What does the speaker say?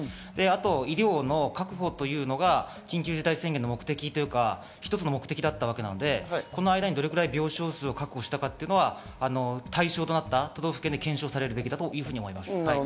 医療の確保というのが緊急事態宣言の目的というか、一つの目的だったわけなので、この間にどれだけ病床数を確保したか、対象となった都道府県で検証されるべきだと思います。